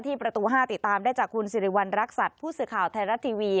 ประตู๕ติดตามได้จากคุณสิริวัณรักษัตริย์ผู้สื่อข่าวไทยรัฐทีวี